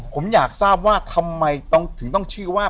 ผมอยากทราบว่าทำไมต้องถึงต้องชื่อว่า